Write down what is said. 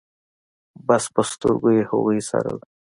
بس په سترګو يې هغوی څارل.